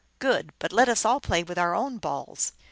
Good, but let us all play with our own balls."